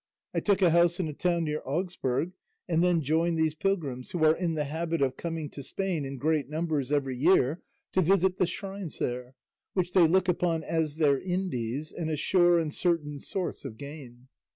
I took a house in a town near Augsburg, and then joined these pilgrims, who are in the habit of coming to Spain in great numbers every year to visit the shrines there, which they look upon as their Indies and a sure and certain source of gain.